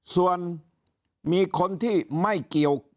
ส่วนมีคนที่ไม่เกี่ยว